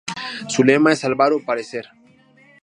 Su lema es "Salvar o Perecer".